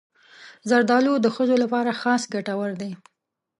زردالو د ښځو لپاره خاص ګټور دی.